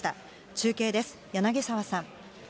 中継です、柳沢さん。